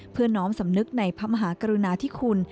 เพื่อน้องสำนึกในพระมหากรุณาที่คุณ